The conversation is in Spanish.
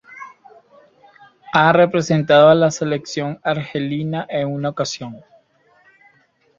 Ha representado a la selección argelina en una ocasión.